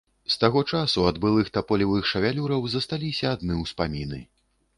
З таго часу ад былых таполевых шавялюраў засталіся адны ўспаміны.